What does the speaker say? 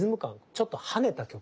ちょっと跳ねた曲。